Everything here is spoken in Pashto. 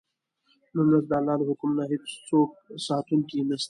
نن ورځ د الله له حکم نه هېڅوک ساتونکی نه شته.